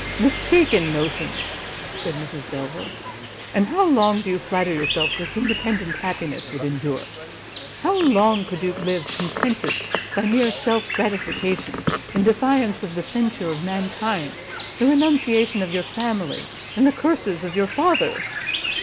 "Mistaken notions!" said Mrs Delvile; "and how long do you flatter yourself this independent happiness would endure? How long could you live contented by mere self gratification, in defiance of the censure of mankind, the renunciation of your family, and the curses of your father?"